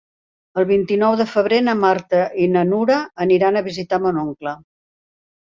El vint-i-nou de febrer na Marta i na Nura aniran a visitar mon oncle.